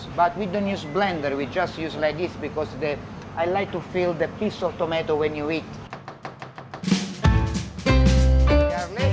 tapi kami tidak menggunakan blender kami hanya menggunakan seperti ini karena saya suka mengisi tomat saat kamu makan